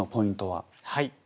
はい。